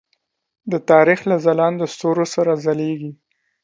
د تاریخ له ځلاندو ستورو سره ځلیږي.